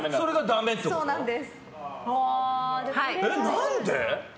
何で？